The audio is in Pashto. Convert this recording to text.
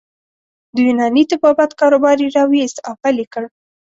د یوناني طبابت کاروبار يې راویست او پیل یې کړ.